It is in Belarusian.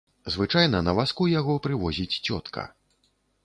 Звычайна на вазку яго прывозіць цётка.